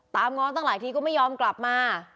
ง้อตั้งหลายทีก็ไม่ยอมกลับมา